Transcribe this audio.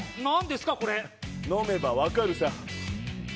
飲めばわかるさ。